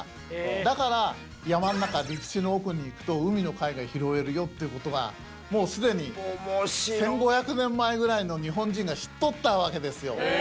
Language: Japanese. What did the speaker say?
だから山ん中陸地の奥に行くと海の貝が拾えるよっていうことがもうすでに１，５００年前ぐらいの日本人が知っとったわけですよ。